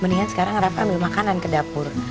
mendingan sekarang harapkan ambil makanan ke dapur